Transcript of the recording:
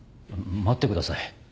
待ってください。